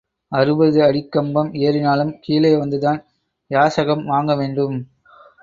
அறுபது அடிக் கம்பம் ஏறினாலும் கீழே வந்துதான் யாசகம் வாங்கவேண்டும்.